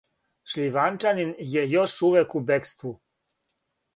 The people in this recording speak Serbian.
Шљиванчанин је још увек у бекству.